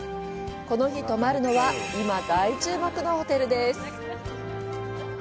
この日泊まるのは今、大注目のホテルです。